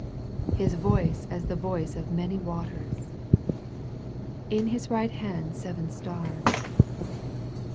" His voice as the voice of many waters." " In His right hand seven stars."